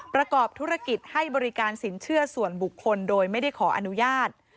ประกอบธุรกิจให้บริการสินเชื่อส่วนบุคคลโดยไม่ได้ขออนุญาต